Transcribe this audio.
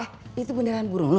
eh itu benderan burung lo